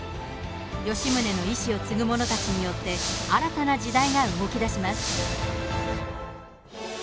吉宗の意思を継ぐ者たちによって新たな時代が動きだします。